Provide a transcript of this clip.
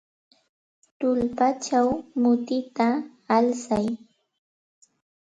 Tullpachaw mutita alsay.